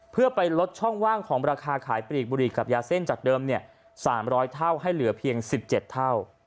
เพื่อไปลดช่องว่างของราคาขายปลีกบุรีกับยาเส้นจากเดิม๓๐๐เท่าให้เหลือเพียง๑๗เท่า